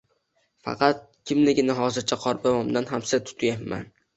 Faqat kimligini hozircha Qorbobomdan ham sir tutayapman